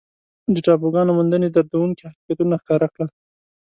د ټاپوګانو موندنې دردونکي حقیقتونه ښکاره کړل.